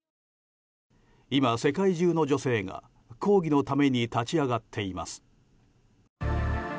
今、世界中の女性が抗議のために立ち上がっています。